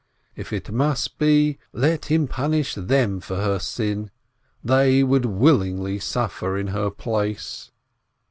If it must be, let him punish them for her sin; they would willingly suffer in her place.